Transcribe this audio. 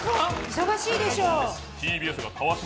忙しいでしょう？